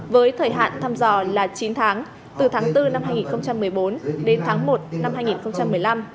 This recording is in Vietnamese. với thời hạn thăm dò là chín tháng từ tháng bốn năm hai nghìn một mươi bốn đến tháng một năm hai nghìn một mươi năm